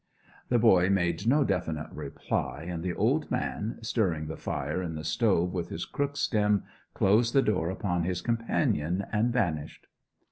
The boy made no definite reply, and the old man, stirring the fire in the stove with his crook stem, closed the door upon his companion and vanished.